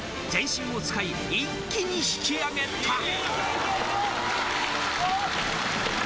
全身を使い一気に引き揚げた。